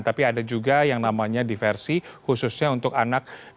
tapi ada juga yang namanya diversi khususnya untuk anak anak